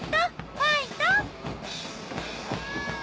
ファイト！